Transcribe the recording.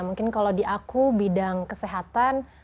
mungkin kalau di aku bidang kesehatan